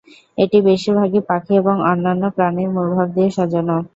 এটি বেশির ভাগই পাখি এবং অন্যান্য প্রাণীর মূল ভাব দিয়ে সাজানো।